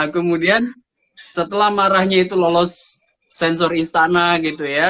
kemudian setelah marahnya itu lolos sensor istana gitu ya